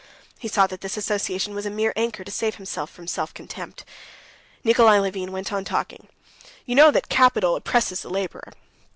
He saw that this association was a mere anchor to save him from self contempt. Nikolay Levin went on talking: "You know that capital oppresses the laborer.